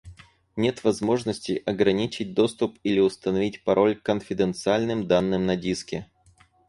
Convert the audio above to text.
Нет возможности ограничить доступ или установить пароль к конфиденциальным данным на диске